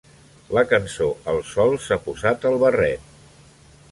La canço El sol s'ha posat el barret.